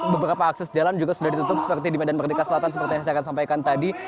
beberapa akses jalan juga sudah ditutup seperti di medan merdeka selatan seperti yang saya akan sampaikan tadi